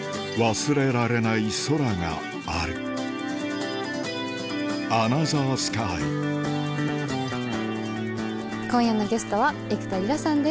忘れられない空がある今夜のゲストは幾田りらさんです。